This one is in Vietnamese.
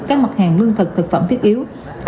các mặt hàng lương thực thực phẩm thiết yếu